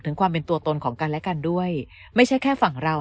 ความเป็นตัวตนของกันและกันด้วยไม่ใช่แค่ฝั่งเรา